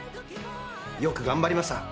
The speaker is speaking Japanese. よく頑張りました。